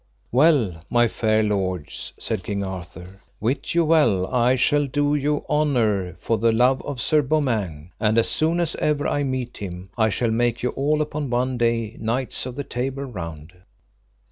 Well, my fair lords, said King Arthur, wit you well I shall do you honour for the love of Sir Beaumains, and as soon as ever I meet with him I shall make you all upon one day knights of the Table Round.